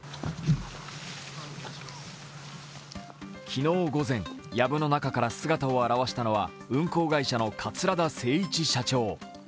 昨日午前、やぶの中から姿を現したのは運航会社の桂田精一社長。